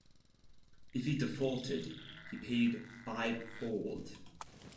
If he defaulted, he paid fivefold.